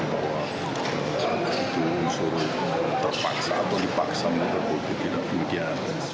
itu disuruh terpaksa atau dipaksa menurutku tidak mungkin